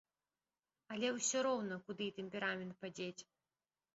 Але ўсё роўна куды тэмперамент падзець?